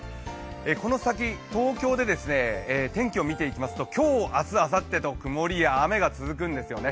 この先、東京の天気を見ていきますと今日あすあさってと曇りや雨が続くんですよね。